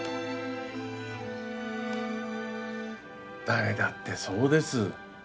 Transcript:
誰だってそうです。